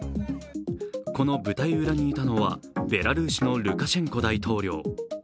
この舞台裏にいたのはベラルーシのルカシェンコ大統領。